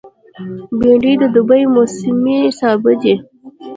بېنډۍ د دوبي موسمي سابه دی